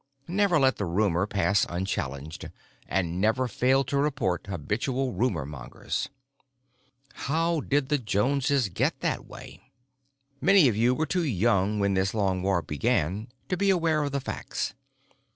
Never let the rumor pass unchallenged, and never fail to report habitual rumor mongers. "How did the Joneses get that way? Many of you were too young when this long war began to be aware of the facts.